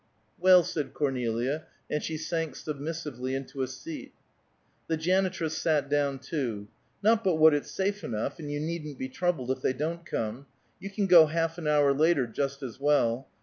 "Well," said Cornelia, and she sank submissively into a seat. The janitress sat down too. "Not but what it's safe enough, and you needn't be troubled, if they don't come. You can go half an hour later just as well.